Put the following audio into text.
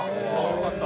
よかった。